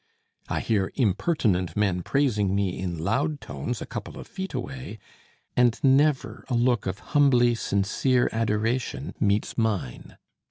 I hear impertinent men praising me in loud tones, a couple of feet away, and never a look of humbly sincere adoration meets mine.